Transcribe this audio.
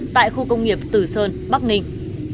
tại khu công nghiệp tử sơn bắc ninh